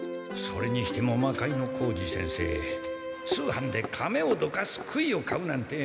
それにしても魔界之小路先生通販で甕をどかす杭を買うなんて。